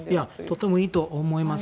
とてもいいと思います。